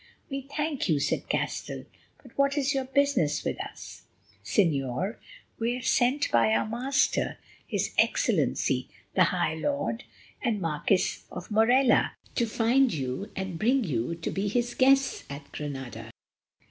"We thank you," said Castell, "but what is your business with us?" "Señor, we are sent by our master, his Excellency, the high Lord and Marquis of Morella, to find you and bring you to be his guests at Granada."